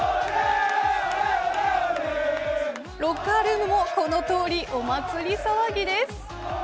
ロッカールームもこのとおりお祭り騒ぎです。